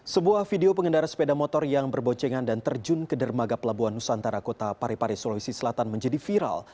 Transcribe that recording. sebuah video pengendara sepeda motor yang berboncengan dan terjun ke dermaga pelabuhan nusantara kota parepare sulawesi selatan menjadi viral